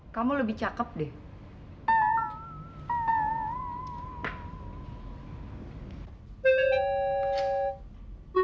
kamu lebih cakep deh